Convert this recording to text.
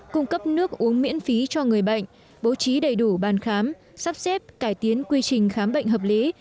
cung cấp nước uống miễn phí cho người bệnh bố trí đầy đủ ban khám sắp xếp cải tiến quy trình khám bệnh hợp lý